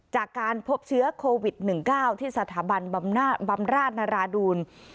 จากการพบเชื้อโควิด๑๙ที่สถาบันบำราชนราดูล